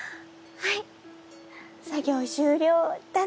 ・はい！